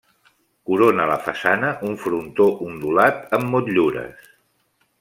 Corona la façana un frontó ondulat amb motllures.